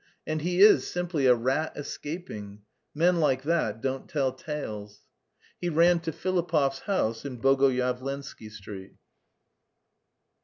and he is simply a rat escaping; men like that don't tell tales!" He ran to Filipov's house in Bogoyavlensky Street.